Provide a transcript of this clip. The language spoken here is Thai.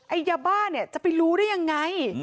ไอ้ยาบ้าจะไปรู้ได้ยังไง